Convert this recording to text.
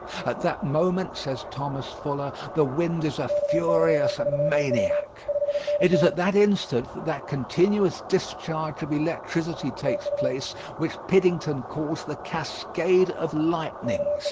"At that moment," says Thomas Fuller, "the wind is a furious maniac." It is at that instant that that continuous discharge of electricity takes place which Piddington calls "the cascade of lightnings."